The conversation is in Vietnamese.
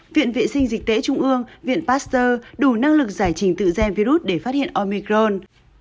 viện vệ sinh dịch tễ trung ương viện pasteur đủ năng lực giải trình tự gen virus để phát hiện omicron